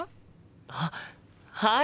あっはい！